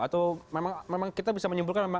atau memang kita bisa menyimpulkan memang